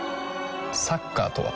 サッカーとは？